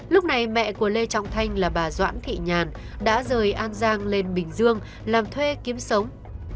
lúc này mẹ của lê trọng thanh là bà doãn thị nhàn đã rời an giang lên bình dương làm thuê kiếm sống